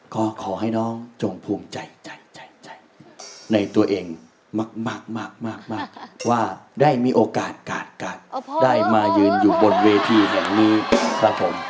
ก็ขอให้น้องจงภูมิใจใจในตัวเองมากว่าได้มีโอกาสกาดกาดได้มายืนอยู่บนเวทีแห่งนี้ครับผม